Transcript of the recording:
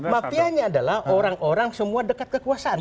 mafianya adalah orang orang semua dekat kekuasaan